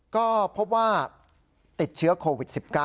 ก็พบว่าติดเชื้อโควิด๑๙